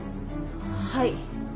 はい。